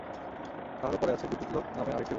তাহারও পরে আছে বিদ্যুল্লোক নামে আর একটি লোক।